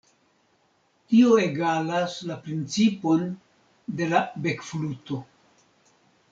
Tio egalas la principon de la bekfluto.